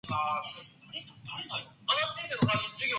Many books have been published in this series, which enjoyed some success.